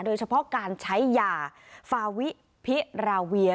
โดยเฉพาะการใช้ยาฟาวิพิราเวีย